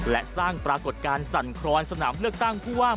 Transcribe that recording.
และสร้างปรากฏการณ์สั่นครอนสนามเลือกตั้งผู้ว่า